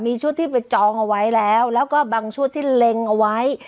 มีชุดที่ไปจองเอาไว้แล้วแล้วก็บางชุดที่เล็งเอาไว้